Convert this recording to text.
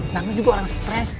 namun juga orang stres